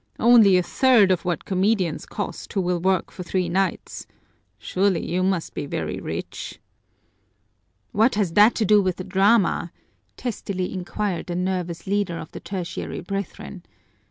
Only a third of what comedians cost, who will work for three nights! Surely you must be very rich!" "What has that to do with the drama?" testily inquired the nervous leader of the Tertiary Brethren.